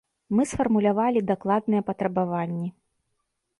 Мы сфармулявалі дакладныя патрабаванні.